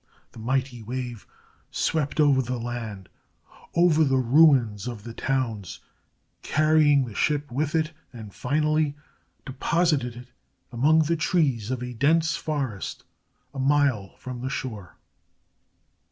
The mighty wave swept over the land, over the ruins of the towns, carrying the ship with it, and finally deposited it among the trees of a dense forest a mile from the shore.